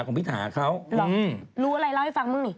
รู้อะไรเล่าให้ฟังมึงหนิ